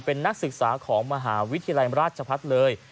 เป็นนักศึกษาของมหาวิทยาลัยราชพัฒน์เลย